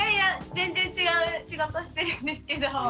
全然違う仕事してるんですけど。